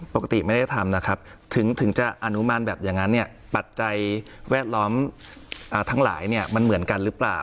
ปกติไม่ได้ทำนะครับถึงจะอนุมานแบบอย่างนั้นเนี่ยปัจจัยแวดล้อมทั้งหลายเนี่ยมันเหมือนกันหรือเปล่า